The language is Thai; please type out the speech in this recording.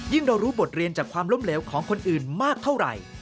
เรารู้บทเรียนจากความล้มเหลวของคนอื่นมากเท่าไหร่